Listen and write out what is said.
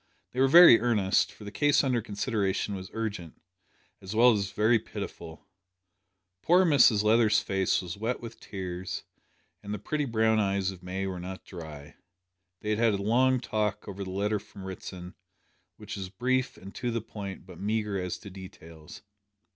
They were very earnest, for the case under consideration was urgent, as well as very pitiful. Poor Mrs Leather's face was wet with tears, and the pretty brown eyes of May were not dry. They had had a long talk over the letter from Ritson, which was brief and to the point but meagre as to details.